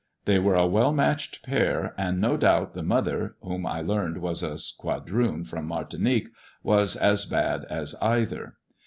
They were a well matched pair, and no doubt the mother (whom I learned was a quadroon from Martinique) was as bad as either.